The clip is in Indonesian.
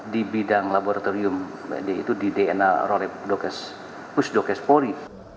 di bidang laboratorium yaitu di dna rorep pustok espori